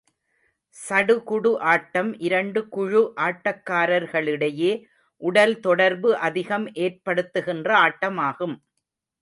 சடுகுடு ஆட்டம் இரண்டு குழு ஆட்டக்காரர்களிடையே உடல் தொடர்பு அதிகம் ஏற்படுத்துகின்ற ஆட்டமாகும்.